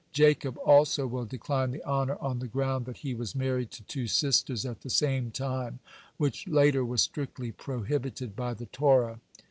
Jacob also will decline the honor on the ground that he was married to two sisters at the same time, which later was strictly prohibited by the Torah.